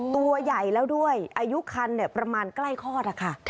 ตัวใหญ่แล้วด้วยอายุคันประมาณใกล้คลอดนะคะ